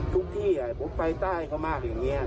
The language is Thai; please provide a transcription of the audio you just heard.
ทุกที่ผมไปใต้ก็มากอย่างงี้